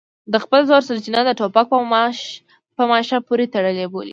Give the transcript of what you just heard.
د خپل زور سرچینه د ټوپک په ماشه پورې تړلې بولي.